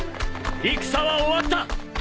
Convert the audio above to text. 戦は終わった！